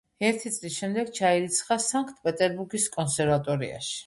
ერთი წლის შემდეგ ჩაირიცხა სანქტ-პეტერბურგის კონსერვატორიაში.